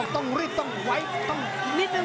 ต้องรีบต้องไว้ต้องนิดนึง